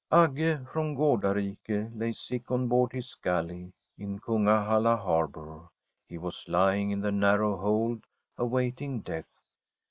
' Agge from Gardarike lay sick on board his galley in Kungahalla harbour. He was lying in the narrow hold awaiting death.